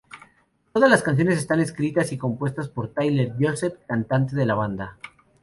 Todas las canciones están escritas y compuestas por Tyler Joseph, cantante de la banda.